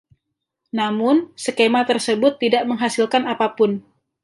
Namun, skema tersebut tidak menghasilkan apa pun.